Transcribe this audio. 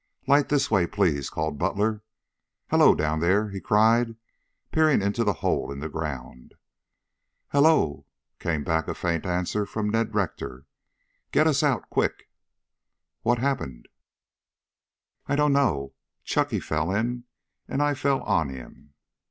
"Light this way, please," called Butler. "Hello, down there!" he cried, peering into the hole in the ground. "Hello!" came back a faint answer from Ned Rector. "Get us out quick." "What happened?" "I don't know. Chunky fell in and I fell on him."